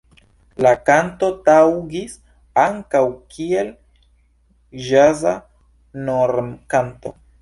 La kanto taŭgis ankaŭ kiel ĵaza normkanto.